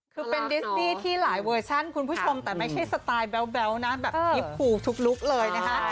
คือเป็นดิสดี้ที่หลายเวอร์ชั่นคุณผู้ชมแต่ไม่ใช่สไตล์แบ๊วนะแบบคลิปภูทุกลุคเลยนะคะ